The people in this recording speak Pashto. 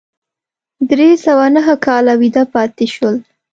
درې سوه نهه کاله ویده پاتې شول.